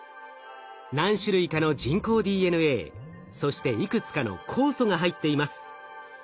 何種類かの人工ＤＮＡそしていくつかの酵素が入っています。